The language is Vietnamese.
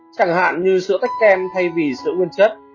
chẳng hạn như sữa tách kem thay vì sữa nguyên chất